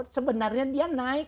sebenarnya dia naik